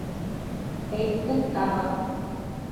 - Әйттең тағы.